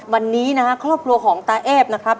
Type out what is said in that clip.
วันนี้นะครับครอบครัวของตาเอฟนะครับ